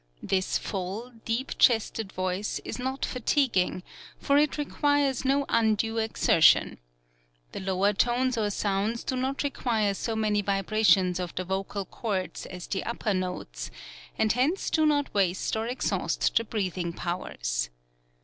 This full, deep chested voice is not fatiguing, for it requires no undue exertion. The lower tones or sounds do not require so many vibrations of the vocal cords as the upper notes, and hence do not waste or ex haust the breathing powers.